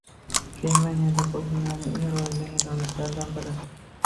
Germaniyada! Bu dunyodagi eng rivojlangan davlatlardan biri